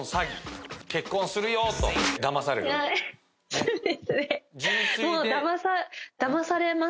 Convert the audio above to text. ⁉そうですね。